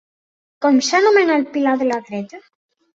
Com s'anomena el pilar de la dreta?